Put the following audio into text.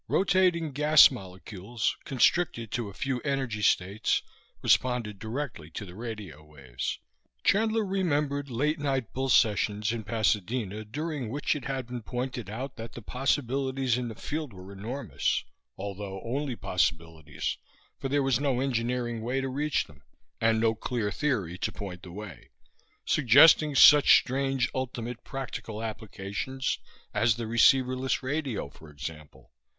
Rotating gas molecules, constricted to a few energy states, responded directly to the radio waves. Chandler remembered late night bull sessions in Pasadena during which it had been pointed out that the possibilities in the field were enormous although only possibilities, for there was no engineering way to reach them, and no clear theory to point the way suggesting such strange ultimate practical applications as the receiverless radio, for example.